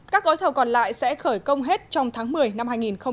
các gói thầu còn lại sẽ khởi công hết trong tháng một mươi năm hai nghìn hai mươi